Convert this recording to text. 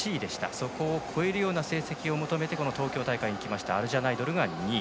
そこを超えるような成績を求めて東京大会に来たアルジャナイドルが２位。